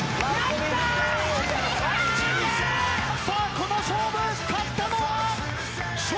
この勝負勝ったのは笑